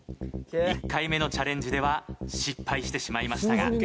１回目のチャレンジでは失敗してしまいましたが。